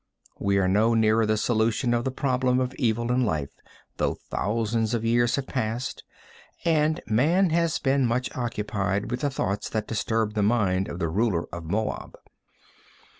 We are no nearer the solution of the problem of evil in life, though thousands of years have passed and man has been much occupied with the thoughts that disturbed the mind of the ruler of Moab.